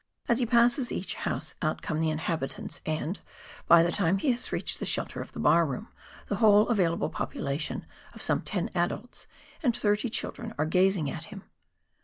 As he passes each house out come the inhabitants, and, by the time he has reached the shelter of the bar room, the whole available population of some ten adults and thirty children are gazing at him.